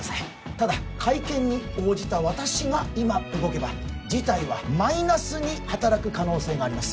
ただ会見に応じた私が今動けば事態はマイナスに働く可能性があります